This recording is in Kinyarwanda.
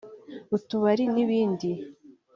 utubari n’ibindi